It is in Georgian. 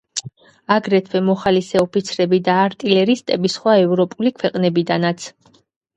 აგრეთვე, მოხალისე ოფიცრები და არტილერისტები სხვა ევროპული ქვეყნებიდანაც.